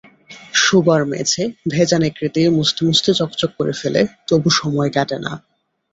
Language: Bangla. শোবার মেঝে ভেজা ন্যাকড়া দিয়ে মুছতে-মুছতে চকচকে করে ফেলে, তবু সময় কাটে না।